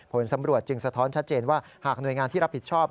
ผลสำรวจจึงสะท้อนชัดเจนว่าหากหน่วยงานที่รับผิดชอบ